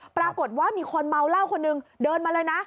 ปรากฏว่ามีคนเมาเหล้าคนหนึ่งเดินมาเลยนะ